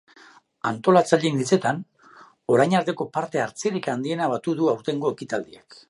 Antolatzaileen hitzetan, orain arteko parte hartzerik handiena batu du aurtengo ekitaldiak.